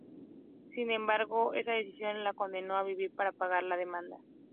Sin embargo, esa decisión la condenó a vivir para pagar la demanda.